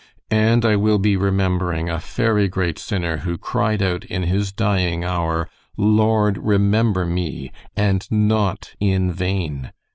And I will be remembering a fery great sinner who cried out in his dying hour, 'Lord, remember me,' and not in vain.